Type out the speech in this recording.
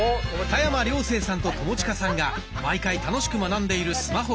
田山涼成さんと友近さんが毎回楽しく学んでいるスマホ講座。